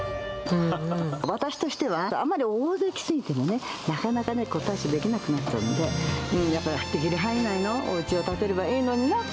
私としては、あんまり大勢来過ぎてもね、なかなかね、対処できなくなっちゃうんで、できる範囲内のおうちを建てればいいのにな。